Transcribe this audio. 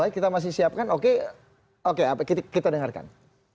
kita masih siapkan oke oke kita dengarkan